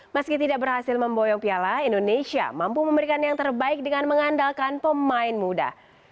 meski tidak berhasil memboyong piala indonesia mampu memberikan yang terbaik dengan mengandalkan pemain muda